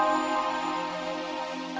nih makan ya pa